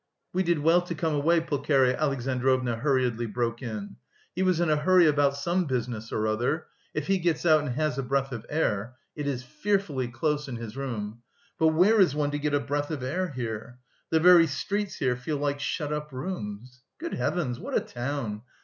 "We did well to come away," Pulcheria Alexandrovna hurriedly broke in. "He was in a hurry about some business or other. If he gets out and has a breath of air... it is fearfully close in his room.... But where is one to get a breath of air here? The very streets here feel like shut up rooms. Good heavens! what a town!...